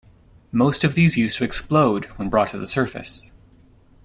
Most of these used to explode when brought to the surface.